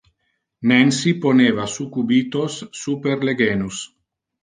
Nancy poneva su cubitos super le genus.